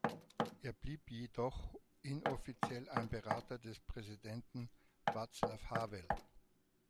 Er blieb jedoch inoffiziell ein Berater des Präsidenten Václav Havel.